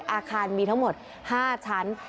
อาคารมีทั้งหมด๕ชั้น